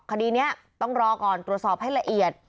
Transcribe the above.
คดีนี้ต้องรอก่อนตรวจสอบให้ละเอียด